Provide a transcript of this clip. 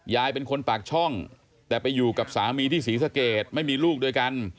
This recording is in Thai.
ยายเป็นคนปากช่องแต่ไปอยู่กับสามีที่ศรีสะเกดไม่มีลูกด้วยกัน